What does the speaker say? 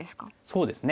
そうですね。